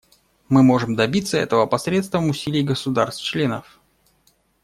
Мы можем добиться этого посредством усилий государств-членов.